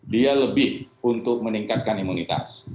dia lebih untuk meningkatkan imunitas